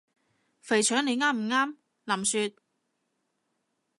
肥腸你啱唔啱？林雪？